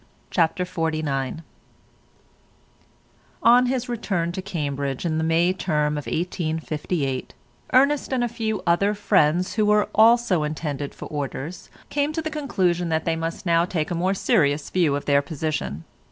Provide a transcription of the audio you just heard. CHAPTER XLIX On his return to Cambridge in the May term of 1858, Ernest and a few other friends who were also intended for orders came to the conclusion that they must now take a more serious view of their position.